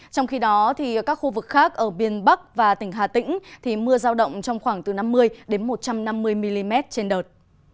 trong khi đó các khu vực khác ở biên bắc và tỉnh hà tĩnh mưa giao động trong khoảng từ năm mươi đến một trăm năm mươi mm trên đợt